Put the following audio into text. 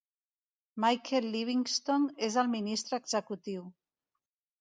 Michael Livingston és el ministre executiu.